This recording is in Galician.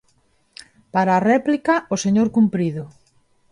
Para a réplica, o señor Cumprido.